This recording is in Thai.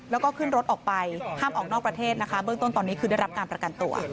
แล้วก็ขึ้นรถออกไปห้ามออกนอกประเทศนะคะเบื้องต้นตอนนี้คือได้รับการประกันตัว